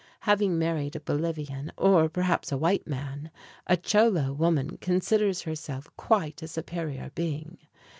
Having married a Bolivian, or perhaps a white man, a Cholo woman considers herself quite a superior being.